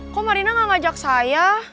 kok marina gak ngajak saya